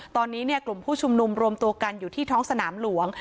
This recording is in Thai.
ตอนนี้กลุ่มผู้ชุมนุมรวมตัวกันอยู่ที่ท้องสนามหลวง